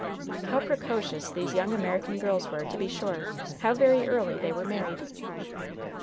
How precocious these young American girls were, to be sure! How very early they were married!